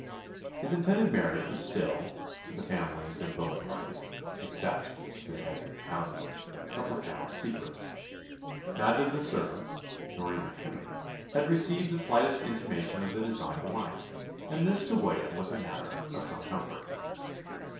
His intended marriage was still, to the families of both parties (except to the heads of the houses), a profound secret. Neither the servants, nor even Henry, had received the slightest intimation of the designed alliance; and this to William was matter of some comfort.